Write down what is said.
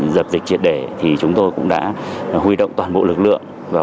dập dịch triệt để thì chúng tôi cũng đã huy động toàn bộ lực lượng